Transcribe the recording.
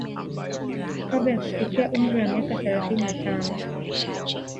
Kabla ya kufikia umri wa miaka thelathini na tano